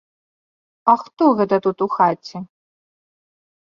А хто гэта тут у хаце?